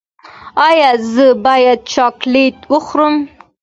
ایا زه باید چاکلیټ وخورم؟